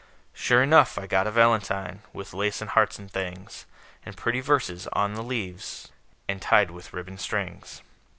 Sure 'nough, I got a valentine, With lace and hearts and things, And pretty verses on the leaves, And tied with ribbon strings.